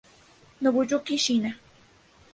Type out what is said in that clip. Nobuyuki Shiina